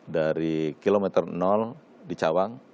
dari kilometer di cawang